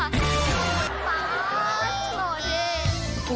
มากหน่อยเจน